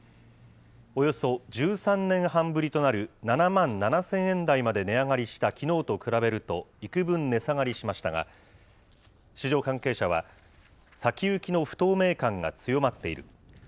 およそ１３年半ぶりとなる７万７０００円台まで値上がりしたきのうと比べると、いくぶん値下がりしましたが、市場関係者は、先行きの不透明感が強まっている。